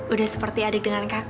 udah seperti adik dengan kakak